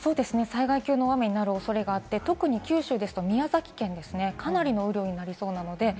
災害級の大雨になる恐れがあって、九州ですと宮崎県はかなりの雨量になりそうです。